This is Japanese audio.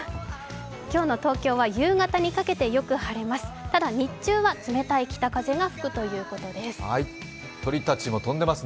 今日の東京は夕方にかけてよく晴れます。